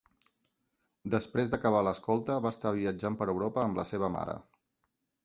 Després d"acabar l"escolta, va estar viatjant per Europa amb la seva mare.